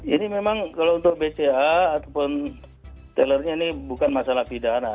ini memang kalau untuk bca ataupun tellernya ini bukan masalah pidana